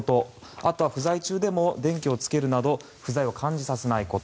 あとは不在中でも電気をつけるなど不在を感じさせないこと。